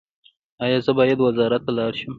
ایا زه باید وزارت ته لاړ شم؟